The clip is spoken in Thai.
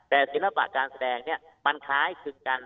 แต่ศิลปะการแสดงเนี่ยมันคล้ายคลึงกัน